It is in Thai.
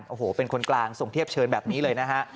โอ้โหเป็นคนกลางส่งเทียบเชิญแบบนี้เลยนะฮะ